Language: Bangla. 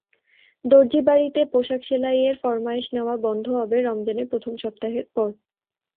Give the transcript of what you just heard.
দরজিবাড়িতে পোশাক সেলাইয়ের ফরমায়েস নেওয়া বন্ধ হবে রমজানের প্রথম সপ্তাহের পর।